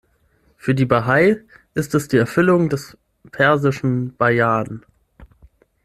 Für die Bahai ist es die Erfüllung des persischen Bayan.